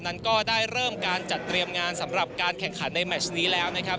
นั้นก็ได้เริ่มการจัดเตรียมงานสำหรับการแข่งขันในแมชนี้แล้วนะครับ